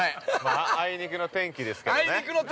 あいにくの天気ですけどね。